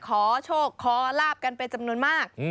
ขอโชคขอลาบกันเป็นจำนวนมาก